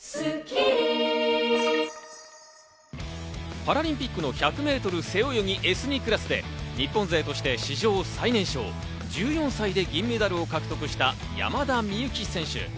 パラリンピックの１００ｍ背泳ぎＳ２クラスで日本勢として史上最年少１４歳でメダルを獲得した山田美幸選手。